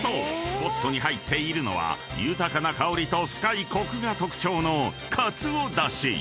ポットに入っているのは豊かな香りと深いコクが特徴のかつおだし］